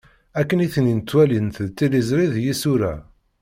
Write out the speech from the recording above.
Akken i ten-ttwalint deg tiliẓri d yisura.